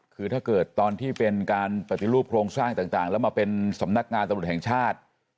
คือถ้าเกิดตอนที่เป็นการปฏิรูปโครงสร้างต่างแล้วมาเป็นสำนักงานตำรวจแห่งชาติ